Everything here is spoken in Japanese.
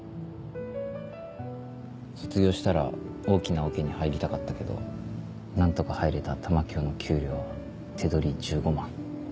卒業したら大きなオケに入りたかったけど何とか入れた玉響の給料手取り１５万。